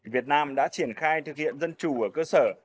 việt nam đã triển khai thực hiện dân chủ ở cơ sở